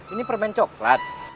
ini permen coklat